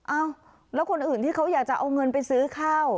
เอ้าแล้วคนอื่นที่เขาอยากจะเอาเงินไปซื้อข้าว